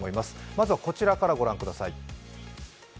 まずはこちらからご覧ください。